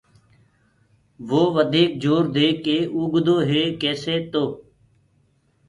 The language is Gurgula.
وو وڌيڪ زورو دي اوگدوئي ڪيسي تو